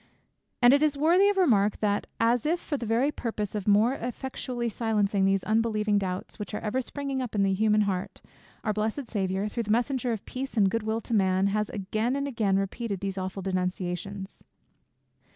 And it is worthy of remark, that, as if for the very purpose of more effectually silencing those unbelieving doubts which are ever springing up in the human heart, our blessed Saviour, though the messenger of peace and good will to man, has again and again repeated these awful denunciations.